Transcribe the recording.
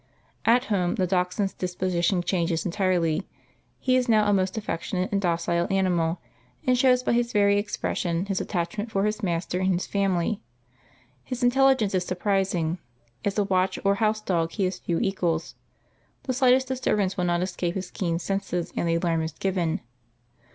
At home the Dachshund's disposition changes entirely; he is now a most affectionate and docile animal, and shows by his every expression his attachment for his master and his family. His intelligence is surprising; as a watch or house dog he has few equals, the slightest disturbance will not escape his keen senses and the alarm is given.